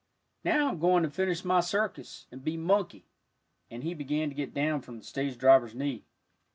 "Now I'm going to finish my circus, and be monkey." And he began to get down from the stage driver's knee.